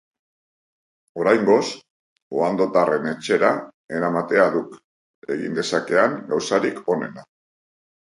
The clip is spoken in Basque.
Oraingoz, ohandotarren etxera eramatea duk egin dezakean gauzarik onena.